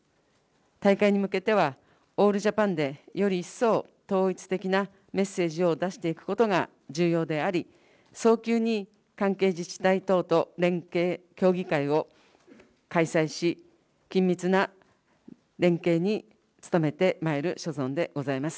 大会に向けては、オールジャパンでより一層、統一的なメッセージを出していくことが重要であり、早急に関係自治体等と連携、協議会を開催し、緊密な連携に努めてまいる所存でございます。